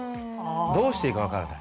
どうしていいか分からない。